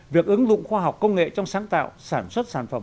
việc ứng dụng khoa học công nghệ trong sáng tạo sản xuất sản phẩm